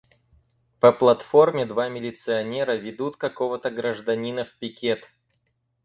По платформе два милиционера ведут какого-то гражданина в пикет.